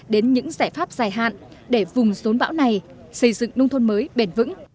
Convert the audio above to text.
đến những giải pháp dài hạn để vùng rốn bão này xây dựng nông thôn mới bền vững